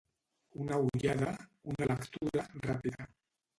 Una ullada, una lectura, ràpida.